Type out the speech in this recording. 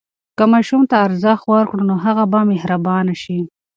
که ماشوم ته ارزښت ورکړو، نو هغه به مهربان شي.